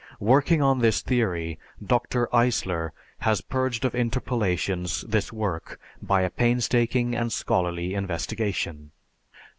Working on this theory, Dr. Eisler has purged of interpolations this work by a painstaking and scholarly investigation.